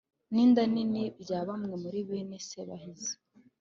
n'inda nini bya bamwe muri bene sebahinzi.